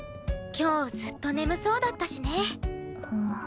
今日ずっと眠そうだったしね。